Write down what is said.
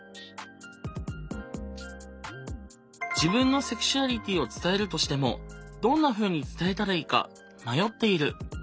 自分のセクシュアリティーを伝えるとしてもどんなふうに伝えたらいいか迷っている。